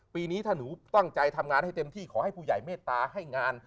ปีนี้ถ้าหนูตั้งใจทำงานให้เต็มที่ขอให้ผู้ใหญ่เมตตาให้งาน